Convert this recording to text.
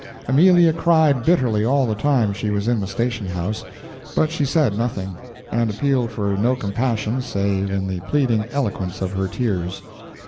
Amelia cried bitterly all the time she was in the station house, but she said nothing, and appealed for no compassion save in the pleading eloquence of her tears.